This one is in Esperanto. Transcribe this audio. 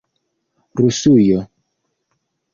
rusujo